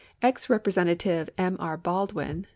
Ex Rei)resentative M. 11. Haldwin.